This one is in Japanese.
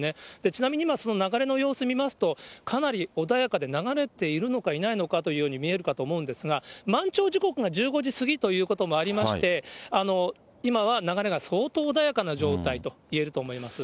ちなみに今、その流れの様子見ますと、かなり穏やかで、流れているのかいないのかというように見えるかと思うんですが、満潮時刻が１５時過ぎということもありまして、今は流れが相当穏やかな状態といえると思います。